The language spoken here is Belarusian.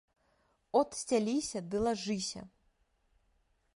От сцяліся ды лажыся.